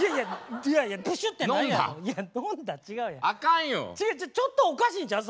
違う違うちょっとおかしいんちゃうん？